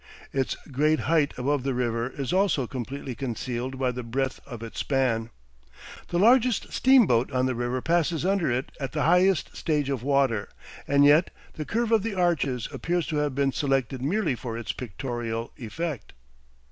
Its great height above the river is also completely concealed by the breadth of its span. The largest steamboat on the river passes under it at the highest stage of water, and yet the curve of the arches appears to have been selected merely for its pictorial effect.